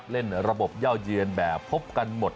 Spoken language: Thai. เล่นระบบเย่าเยือนแบบพบกันหมด